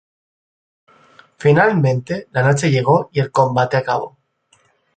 Finalmente, la noche llegó y el combate acabó.